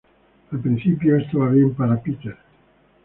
Al principio, esto va bien para Peter.